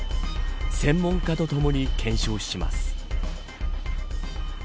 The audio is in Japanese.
専門家とともに検証します。